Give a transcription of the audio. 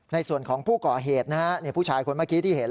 ในส่วนของผู้ก่อเหตุนะฮะผู้ชายคนเมื่อกี้ที่เห็น